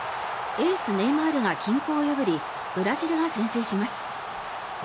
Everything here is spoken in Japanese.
エース、ネイマールが均衡を破りブラジルが先制します。